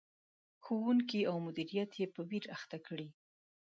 ښوونکي او مدیریت یې په ویر اخته کړي.